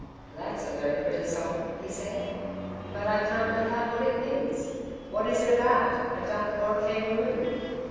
'That's a very pretty song,' he said. 'But I can't make out what it means. What is it about a duck or a kangaroo?